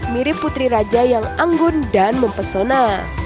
mirip putri raja yang anggun dan mempesona